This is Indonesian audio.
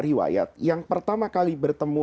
riwayat yang pertama kali bertemu